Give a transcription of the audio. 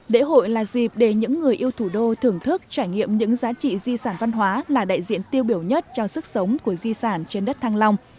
lễ hội là dịp để những người yêu thủ đô thưởng thức trải nghiệm những giá trị di sản văn hóa là đại diện tiêu biểu nhất cho sức sống của di sản trên đất thăng long